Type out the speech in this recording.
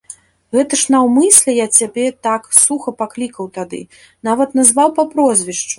Гэта ж наўмысля я цябе так суха паклікаў тады, нават назваў па прозвішчу.